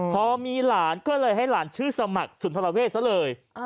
พอมีหลานก็เลยให้หลานชื่อสมัครสุนทรเวศซะเลย